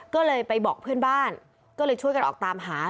ก็เลยไปบอกเพื่อนบ้านก็เลยช่วยกันออกตามหา